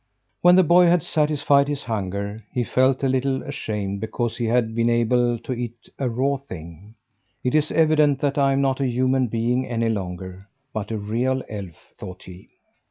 When the boy had satisfied his hunger, he felt a little ashamed because he had been able to eat a raw thing. "It's evident that I'm not a human being any longer, but a real elf," thought he.